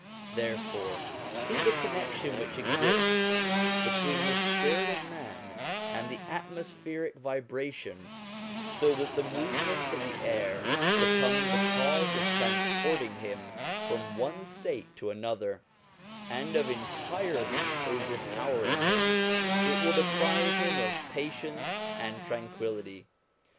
Therefore see the connection which exists between the spirit of man and the atmospheric vibration, so that the movement of the air becomes the cause of transporting him from one state to another, and of entirely overpowering him ; it will deprive him of patience and tranquillity.